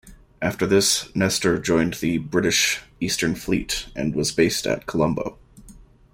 After this, "Nestor" joined the British Eastern Fleet, and was based at Colombo.